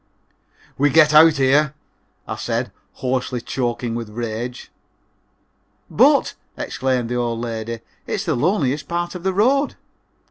"We get out here," I said, hoarsely, choking with rage. "But!" exclaimed the old lady, "it's the loneliest part of the road."